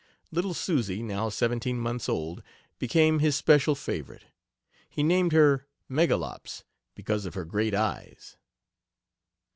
Little Susy, now seventeen months old, became his special favorite. He named her Megalops, because of her great eyes.